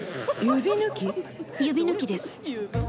指ぬきです。